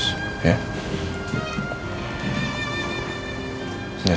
gua asal mikirin mama terus